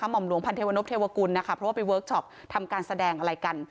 ห่อมหลวงพันเทวนพเทวกุลนะคะเพราะว่าไปเวิร์คชอปทำการแสดงอะไรกัน